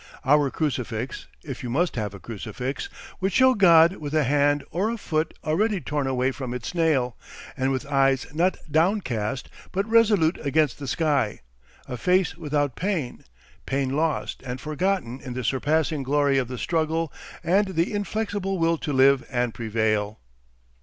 Our crucifix, if you must have a crucifix, would show God with a hand or a foot already torn away from its nail, and with eyes not downcast but resolute against the sky; a face without pain, pain lost and forgotten in the surpassing glory of the struggle and the inflexible will to live and prevail.